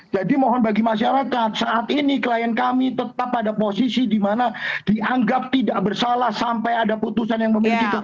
jadi mohon bagi masyarakat saat ini klien kami tetap pada posisi di mana dianggap tidak bersalah sampai ada putusan yang memiliki kekuatan hukum